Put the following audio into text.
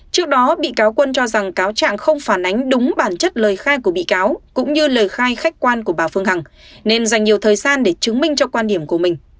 trước đó bị cáo quân cho rằng cáo trạng không phản ánh đúng bản chất lời khai của bị cáo cũng như lời khai khách quan của bà phương hằng nên dành nhiều thời gian để chứng minh cho quan điểm của mình